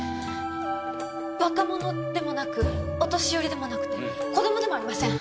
若者でもなくお年寄りでもなくて子供でもありません。